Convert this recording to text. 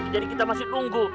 jadi kita masih tunggu